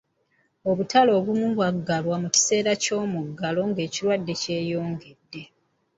Obutale obumu bwaggalwa mu biseera by'omuggalo gw'ekirwadde kyeyongedde.